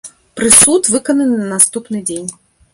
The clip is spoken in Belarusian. Прысуд выкананы на наступны дзень.